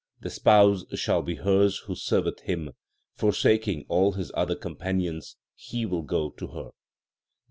2 The Spouse shall be hers who serveth Him. Forsaking all His other companions He will go to her.